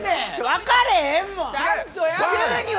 分かれへんもん。